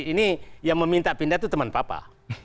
ini yang meminta pindah itu teman papa